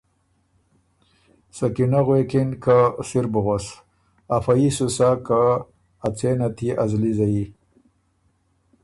سکینۀ غوېکِن که ”سِر بُو غؤس، افه يي سُو سَۀ که ا څېنت يې ا زلی زَيي“